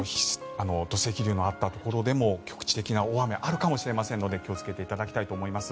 土石流があったところでも局地的な大雨があるかもしれませんので気をつけていただきたいと思います。